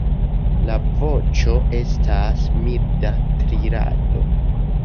La voĉo estas milda trilado.